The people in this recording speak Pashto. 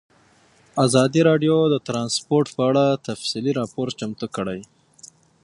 ازادي راډیو د ترانسپورټ په اړه تفصیلي راپور چمتو کړی.